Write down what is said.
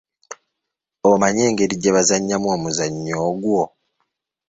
Omanyi engeri gye bazannyamu omuzannyo ogwo?